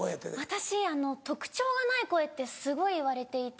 私特徴がない声ってすごい言われていて。